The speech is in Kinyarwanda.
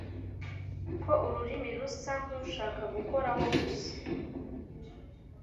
ko urumuri rusa nkushaka gukoraho gusa